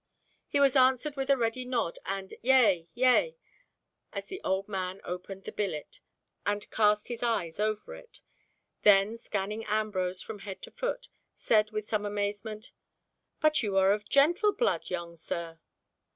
He was answered with a ready nod and "yea, yea," as the old man opened the billet and cast his eyes over it; then scanning Ambrose from head to foot, said with some amazement, "But you are of gentle blood, young sir."